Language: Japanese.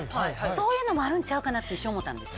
そういうのもあるんちゃうかなって一瞬思ったんです。